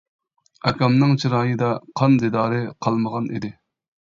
ئاكامنىڭ چىرايىدا قان دىدارى قالمىغان ئىدى.